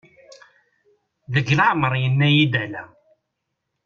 Deg leɛmer yenna-iy-d ala.